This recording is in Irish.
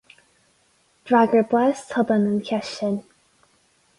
D'fhreagair bás tobann an cheist sin.